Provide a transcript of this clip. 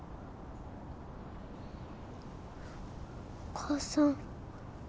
お母さん。